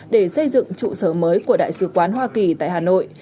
để xây dựng trụ sở mới của đại sứ quán hoa kỳ tại hà nội